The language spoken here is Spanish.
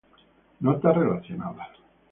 Notas relacionadas